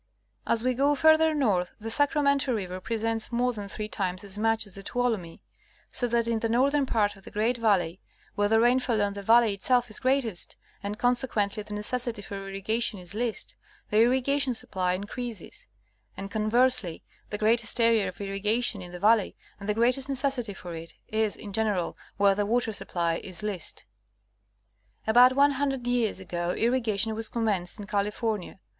As we go farther north, the Sacramento river presents more than three times as much as the Tuolumne, so that in the northern part of the great valley, where the rainfall on the valley itself is greatest, and, consequently, the necessity for irrigation is least, the irriga tion supply increases ; and conversely, the greatest area of irriga tion in the valley and the greatest necessity for it, is, in general, where the water supply is least. About 100 years ago irrigation was commenced in California.